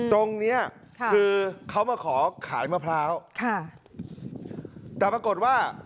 ตรงเนี้ยคือเขามาขอขายมะพร้าวค่ะแต่ปรากฏว่า